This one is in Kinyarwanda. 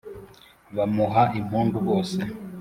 bamuha impundu bose,